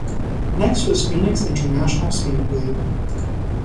Next was Phoenix International speedway.